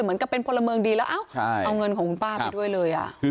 เหมือนกับเป็นพลเมืองดีแล้วเอาเงินของคุณป้าไปด้วยเลย